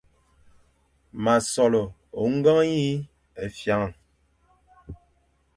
M a sole ôñgeñy e fyam.